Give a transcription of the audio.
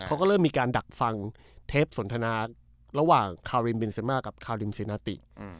เขาก็เริ่มมีการดักฟังเทปสนทนาระหว่างคารินบินเซมากับคาริมเซนาติ